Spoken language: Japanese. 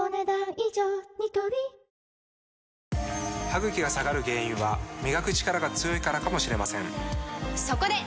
歯ぐきが下がる原因は磨くチカラが強いからかもしれませんそこで！